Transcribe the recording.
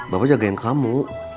bapak jagain kamu